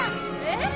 えっ⁉